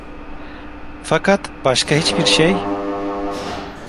Fakat başka hiçbir şey…